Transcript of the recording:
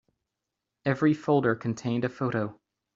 Every folder contained a photo.